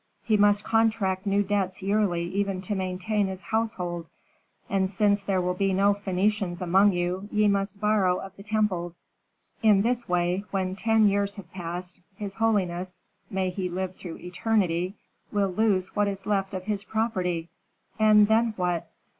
He must contract new debts yearly even to maintain his household; and since there will be no Phœnicians among you, ye must borrow of the temples. In this way, when ten years have passed, his holiness may he live through eternity! will lose what is left of his property, and then what?"